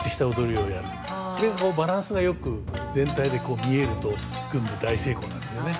それがバランスがよく全体で見えると群舞大成功なんですよね。